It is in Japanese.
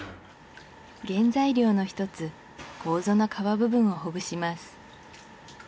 原材料の一つこうぞの皮部分をほぐします